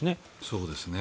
そうですね。